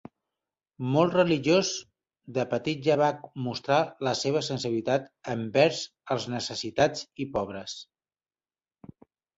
Molt religiós, de petit ja va mostrar la seva sensibilitat envers els necessitats i pobres.